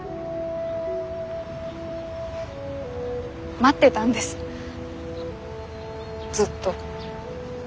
待ってたんですずっと。